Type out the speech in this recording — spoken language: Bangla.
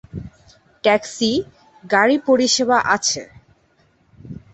ট্যাক্সি, গাড়ী পরিসেবা আছে।